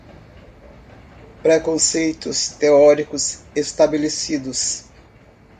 preconceitos teóricos estabelecidos